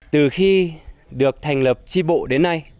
từ khi được thành lập tri bộ đến nay